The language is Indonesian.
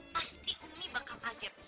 pasti umi bakal hadir